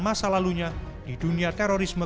masa lalunya di dunia terorisme